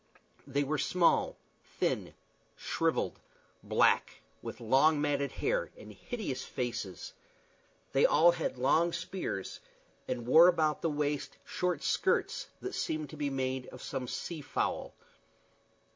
They were small, thin, shrivelled, black, with long matted hair and hideous faces. They all had long spears, and wore about the waist short skirts that seemed to be made of the skin of some sea fowl.